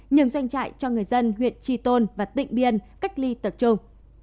nhường doanh trại cho người dân huyện tri tôn và tịnh biên cách ly tập trung